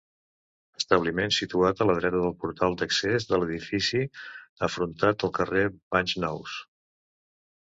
Establiment situat a la dreta del portal d'accés de l'edifici afrontat al carrer Banys Nous.